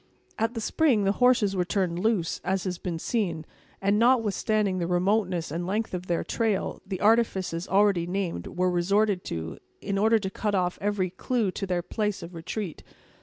At the spring, the horses were turned loose, as has been seen; and, notwithstanding the remoteness and length of their trail, the artifices already named were resorted to, in order to cut off every clue to their place of retreat.